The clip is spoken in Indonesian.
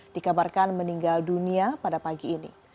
dikabarkan meninggal dunia pada pagi ini